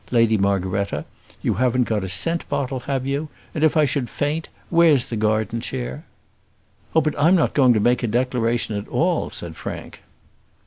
Lady Margaretta, you haven't got a scent bottle, have you? And if I should faint, where's the garden chair?" "Oh, but I'm not going to make a declaration at all," said Frank.